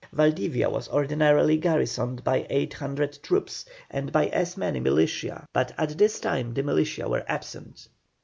Valdivia was ordinarily garrisoned by 800 troops and by as many militia, but at this time the militia were absent.